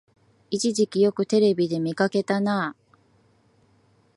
一時期よくテレビで見かけたなあ